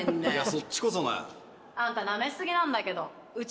そっちこそなあんたなめすぎなんだけどうち